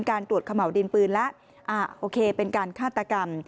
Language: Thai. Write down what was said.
การตรวจเขม่าวดินปืนและโอเคเป็นการฆาตกรรม